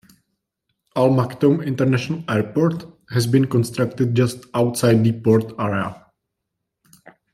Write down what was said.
Al Maktoum International Airport has been constructed just outside the port area.